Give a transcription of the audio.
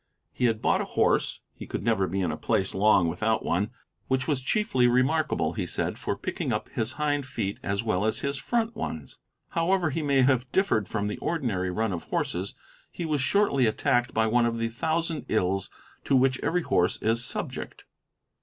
He had bought a horse, he could never be in a place long without one, which was chiefly remarkable, he said, for picking up his hind feet as well as his front ones. However he may have differed from the ordinary run of horses, he was shortly attacked by one of the thousand ills to which every horse is subject.